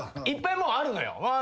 いっぱいもうあるのよ。